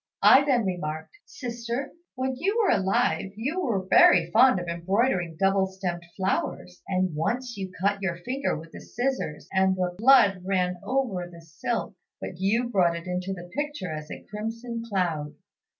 I then remarked, 'Sister, when you were alive you were very fond of embroidering double stemmed flowers; and once you cut your finger with the scissors, and the blood ran over the silk, but you brought it into the picture as a crimson cloud.